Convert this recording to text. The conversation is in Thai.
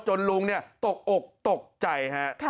จนลุงเนี่ยตกอกตกใจ